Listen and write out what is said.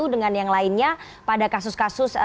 dengan yang lainnya pada kasus kasus